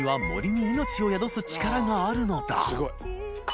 命を宿す力があるのだ磴